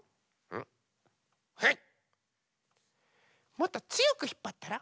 もっとつよくひっぱったら？